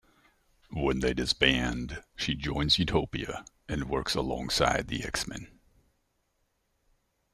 When they disband she joins Utopia and works alongside the X-Men.